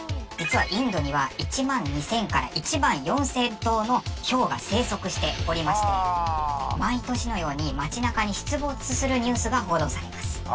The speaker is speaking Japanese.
実はインドには１万２０００から１万４０００頭のヒョウが生息しておりまして毎年のように街中に出没するニュースが報道されます。